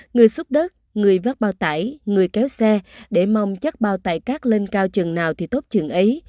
người xúc đất người vác bao tải người kéo xe để mong chắc bao tải cát lên cao chừng nào thì tốt chừng ấy